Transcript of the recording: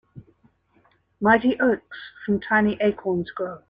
Mighty oaks from tiny acorns grow.